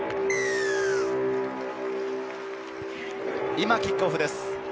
今、キックオフです。